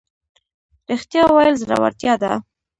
ریښتیا ویل زړورتیا ده